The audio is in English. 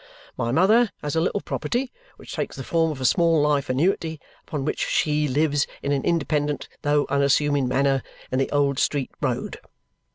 My mother has a little property, which takes the form of a small life annuity, upon which she lives in an independent though unassuming manner in the Old Street Road.